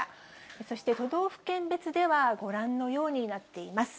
そして都道府県別では、ご覧のようになっています。